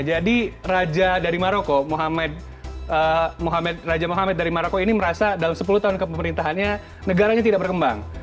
jadi raja dari maroko muhammad raja muhammad dari maroko ini merasa dalam sepuluh tahun kepemerintahannya negaranya tidak berkembang